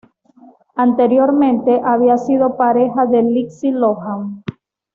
Anteriormente había sido pareja de Lindsay Lohan.